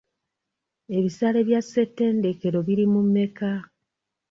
Ebisale bya ssetendekero biri mu meka?